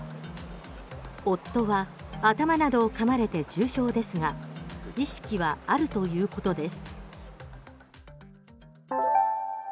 夫は頭などをかまれて重傷ですが意識はあるということです。